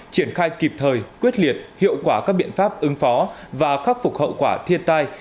triển khai kịp thời quyết liệt hiệu quả các biện pháp ứng phó và khắc phục hậu quả thiên tai